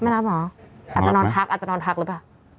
ไม่รับเหรออาจจะนอนพักหรือเปล่า